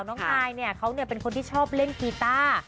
น้องนายเนี่ยเขาเนี่ยเป็นคนที่ชอบเล่นกีต้า